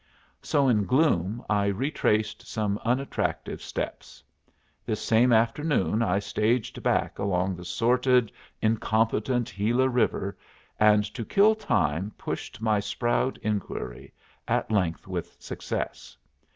So in gloom I retraced some unattractive steps. This same afternoon I staged back along the sordid, incompetent Gila River, and to kill time pushed my Sproud inquiry, at length with success.